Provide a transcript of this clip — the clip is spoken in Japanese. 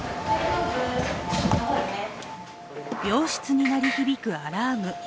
病室に鳴り響くアラーム。